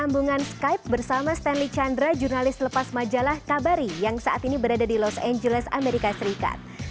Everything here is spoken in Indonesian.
sambungan skype bersama stanley chandra jurnalis lepas majalah kabari yang saat ini berada di los angeles amerika serikat